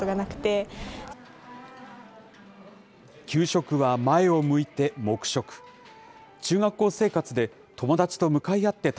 給食は前を向いて黙食。